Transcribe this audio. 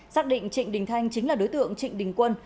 xác định trịnh đình thanh chính là đối tượng trịnh đình quân